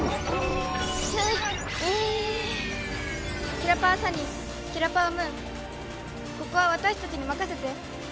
キラパワサニーキラパワムーンここは私たちに任せて。